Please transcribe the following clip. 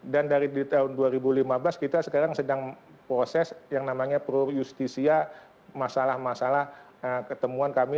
dan dari tahun dua ribu lima belas kita sekarang sedang proses yang namanya pro justisia masalah masalah ketemuan kami